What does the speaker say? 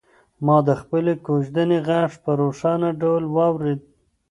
ما د خپلې کوژدنې غږ په روښانه ډول واورېد.